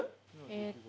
えっと。